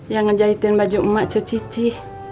yang ngejahitin baju emak cuci